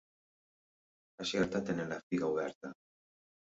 A Xerta tenen la figa oberta.